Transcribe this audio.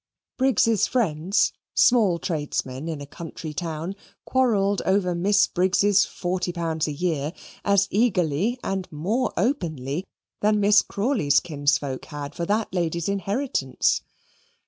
Briggs's friends, small tradesmen, in a country town, quarrelled over Miss Briggs's forty pounds a year as eagerly and more openly than Miss Crawley's kinsfolk had for that lady's inheritance.